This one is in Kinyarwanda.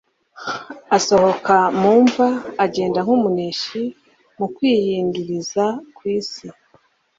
asohoka mu mva agenda nk'Umuneshi mu kwihinduriza kw'isi